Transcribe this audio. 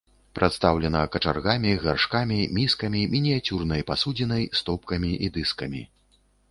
Прадстаўлена карчагамі, гаршкамі, міскамі, мініяцюрнай пасудзінай, стопкамі і дыскамі.